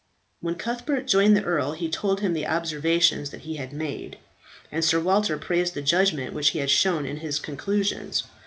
When Cuthbert joined the earl he told him the observations that he had made, and Sir Walter praised the judgment which he had shown in his conclusions.